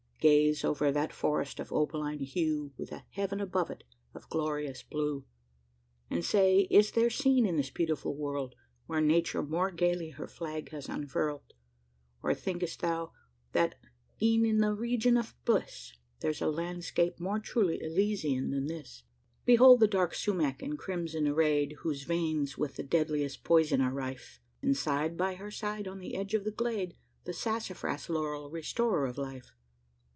Gaze over that forest of opaline hue, With a heaven above it of glorious blue, And say is there scene, in this beautiful world, Where Nature more gaily her flag has unfurled? Or think'st thou, that e'en in the regions of bliss, There's a landscape more truly Elysian than this? Behold the dark sumac in crimson arrayed, Whose veins with the deadliest poison are rife! And, side by her side, on the edge of the glade, The sassafras laurel, restorer of life!